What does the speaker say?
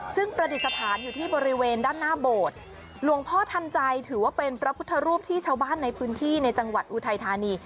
ซึ่งประดิษฐานอยู่ที่บริเวณด้านหน้าโบสถ์หลวงพ่อทันใจถือว่าเป็นพระพุทธรูปที่ชาวบ้านในพื้นที่ในจังหวัดอุทัยธานี